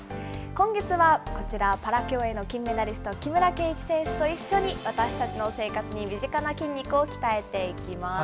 今月はこちら、パラ競泳の金メダリスト、木村敬一選手と一緒に、私たちの生活に身近な筋肉を鍛えていきます。